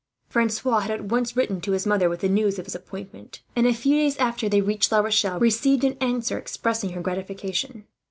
Francois had at once written to his mother, with the news of his appointment and, a few days after they reached La Rochelle, received an answer expressing her gratification.